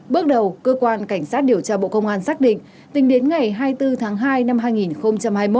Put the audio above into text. bước đầu cơ quan cảnh sát điều tra bộ công an xác định tính đến ngày hai mươi bốn tháng hai năm hai nghìn hai mươi một